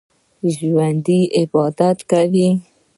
ژوندي عبادت کوي